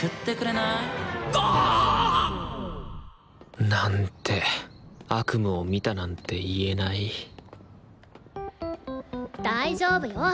あ！なんて悪夢を見たなんて言えない大丈夫よ！